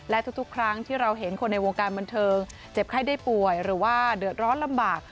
และทุกครั้งที่เราเห็นคนในวงการบันเทิงเจ็บไข้ได้ป่วยหรือว่าเดือดร้อนลำบาก